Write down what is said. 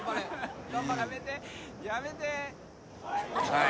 はい。